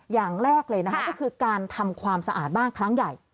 อย่างแรกเลยนะคะก็คือการทำความสะอาดบ้านครั้งใหญ่